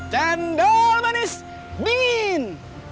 candol manis dingin